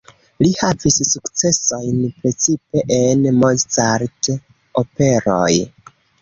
Li havis sukcesojn precipe en Mozart-operoj.